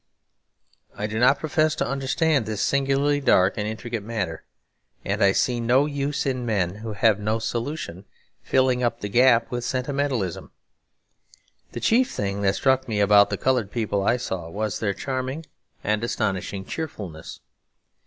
I do not profess to understand this singularly dark and intricate matter; and I see no use in men who have no solution filling up the gap with sentimentalism. The chief thing that struck me about the coloured people I saw was their charming and astonishing cheerfulness.